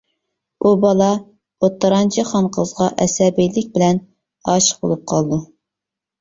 ئۇ بالا ئوتتۇرانچى خانقىزغا ئەسەبىيلىك بىلەن ئاشىق بولۇپ قالىدۇ.